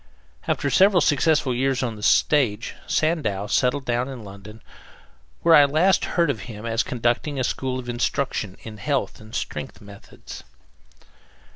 After several successful years on the stage, Sandow settled down in London, where I last heard of him as conducting a school of instruction in health and strength methods.